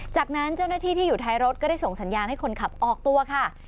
จากนั้นเจ้าหน้าที่ที่อยู่ท้ายรถก็ได้ส่งสัญญาณให้คนขับออกตัวค่ะ